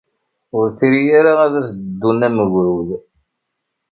Ur tri ara ad as-d-ddun am ugrud.